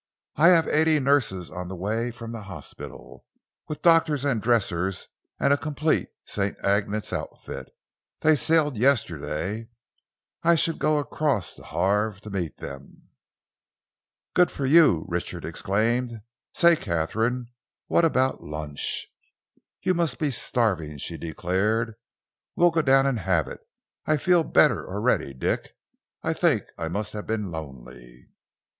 I have eighty nurses on the way from the hospital, with doctors and dressers and a complete St. Agnes's outfit. They sailed yesterday, and I shall go across to Havre to meet them." "Good for you!" Richard exclaimed. "Say, Katharine, what about lunch?" "You must be starving," she declared. "We'll go down and have it. I feel better already, Dick. I think I must have been lonely."